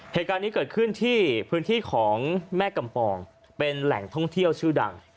เหตุการณ์นี้เกิดขึ้นที่พื้นที่ของแม่กำปองเป็นแหล่งท่องเที่ยวชื่อดัง